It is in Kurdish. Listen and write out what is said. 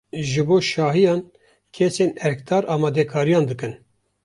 Ji bo şahiyan kesên erkdar amadekariyan dikin.